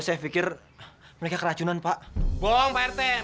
semua orang tuh udah keracunan sebelum makan gara gara tau gak